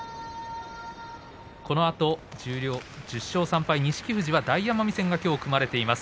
このあと、１０勝３敗の錦富士がきょう大奄美戦が組まれています。